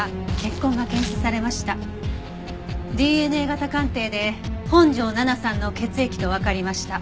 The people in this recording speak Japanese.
ＤＮＡ型鑑定で本条奈々さんの血液とわかりました。